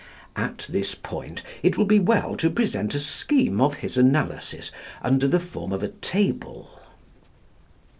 At this point it will be well to present a scheme of his analysis under the form of a table.